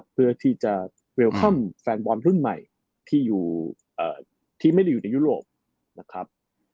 เพื่อที่จะสร้างรับแฟลมวอนน์ผลุ่มใหม่ที่ไม่อยู่อย่างยุโรปนะครับ